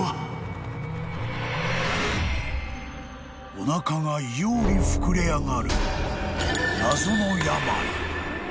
［おなかが異様に膨れ上がる］